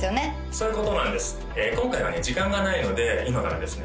そういうことなんです今回はね時間がないので今からですね